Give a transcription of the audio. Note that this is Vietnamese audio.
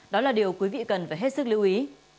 đó là điều quý vị cần phải hết sức lưu ý